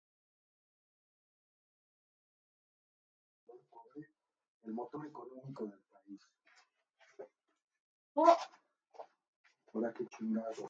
Además de un toque sutil de color cobre, el motor económico del país.